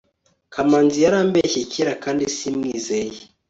kamanzi yarambeshye kera kandi simwizeye